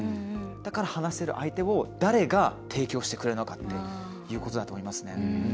だから、話せる相手を誰が提供してくれるのかっていうことだと思いますね。